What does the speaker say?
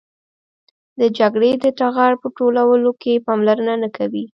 د جګړې د ټغر په ټولولو کې پاملرنه نه کوي.